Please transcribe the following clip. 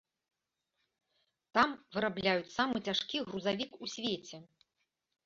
Там вырабляюць самы цяжкі грузавік у свеце.